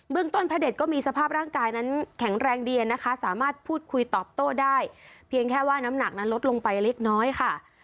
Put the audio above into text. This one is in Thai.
ต้นพระเด็ดก็มีสภาพร่างกายนั้นแข็งแรงดีนะคะสามารถพูดคุยตอบโต้ได้เพียงแค่ว่าน้ำหนักนั้นลดลงไปเล็กน้อยค่ะ